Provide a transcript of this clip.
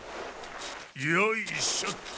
よいしょっと。